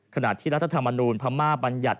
ขณะที่รัฐธรรมนูลพม่าบัญญัติ